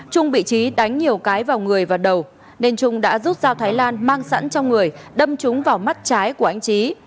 trung bị trí đánh nhiều cái vào người và đầu nên trung đã giúp dao thái lan mang sẵn cho người đâm trúng vào mắt trái của anh trí